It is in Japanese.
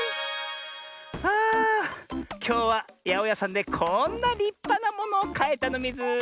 あきょうはやおやさんでこんなりっぱなものをかえたのミズ。